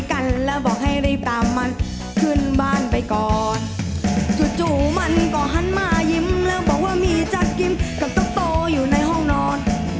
กับตัวโตอยู่ในห้องนอน